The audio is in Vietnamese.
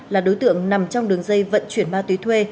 là đối tượng nằm trong đường dây vận chuyển ma túy thuê